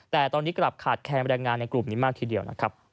แต่ตอนนี้กลับขาดแคมแรงงานในกลุ่มนี้มากทีเดียวนะครับ